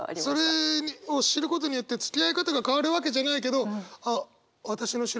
それを知ることによってつきあい方が変わるわけじゃないけどうん。